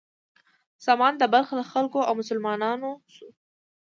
سامان د بلخ له خلکو و او مسلمان شو.